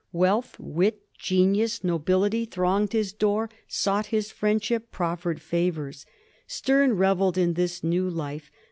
Wealth, wit, genius, nobility, thronged his door, sought his friend ship, proffered favors. Sterne revelled in this new life.